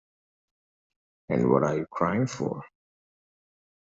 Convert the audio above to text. And what are you crying for?